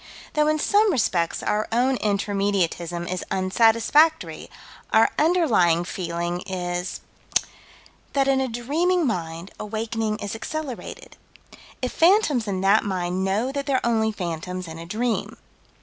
Though in some respects our own Intermediatism is unsatisfactory, our underlying feeling is That in a dreaming mind awakening is accelerated if phantoms in that mind know that they're only phantoms in a dream.